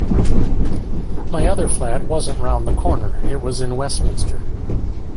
My other flat wasn't round the corner, it was in Westminster.